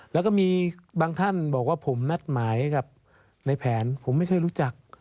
แล้วก็มีบางท่านบอกว่าผมนัดหมายกับในแผนผมไม่เคยรู้จัก